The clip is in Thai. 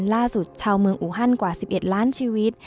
ชาวเมืองอูฮันกว่า๑๑ล้านชีวิต